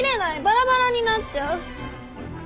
バラバラになっちゃう！